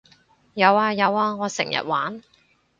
有呀有呀我成日玩